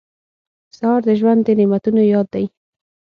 سهار د ژوند د نعمتونو یاد دی.